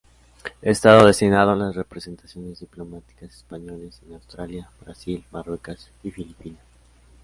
Ha estado destinado en las representaciones diplomáticas españolas en Australia, Brasil, Marruecos y Filipinas.